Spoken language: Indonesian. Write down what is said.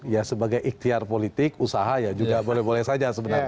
ya sebagai ikhtiar politik usaha ya juga boleh boleh saja sebenarnya